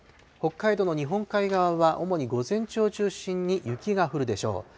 北海道の日本海側は主に午前中を中心に雪が降るでしょう。